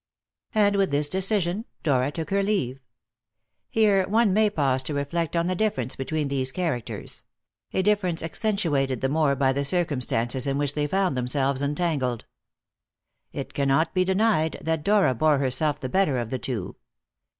And with this decision Dora took her leave. Here one may pause to reflect on the difference between these characters a difference accentuated the more by the circumstances in which they found themselves entangled. It cannot be denied that Dora bore herself the better of the two.